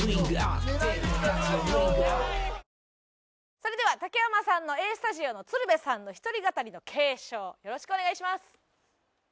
それでは竹山さんの『Ａ−Ｓｔｕｄｉｏ』の鶴瓶さんの１人語りの継承よろしくお願いします。